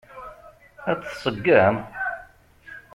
Ad t-tseggem?